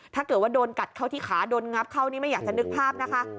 ถ้าเกิดว่าโดนกัดเข้าที่ขาโดนงับเข้านี่ไม่อยากจะนึกภาพนะคะ